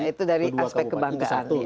itu dari aspek kebanggaan